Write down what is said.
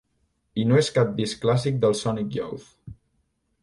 I no és cap disc clàssic dels Sonic Youth.